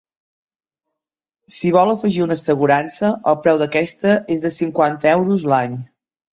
Si vol afegir una assegurança, el preu d'aquesta és de cinquanta euros l'any.